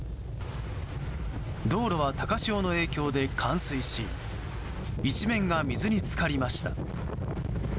道路は高潮の影響で冠水し一面が水に浸かりました。